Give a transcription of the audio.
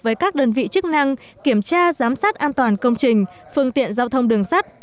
với các đơn vị chức năng kiểm tra giám sát an toàn công trình phương tiện giao thông đường sắt